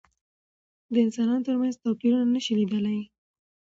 د انسانانو تر منځ توپيرونه نشي لیدلای.